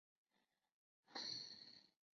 福德村是台湾嘉义县新港乡辖下的行政区。